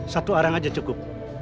satu orang saja cukup